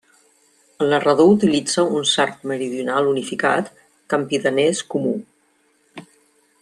El narrador utilitza un sard meridional unificat, campidanès comú.